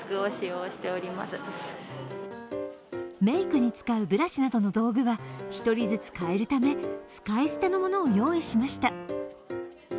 メークに使うブラシなどの道具は１人ずつ変えるため、使い捨てのものを用意しました。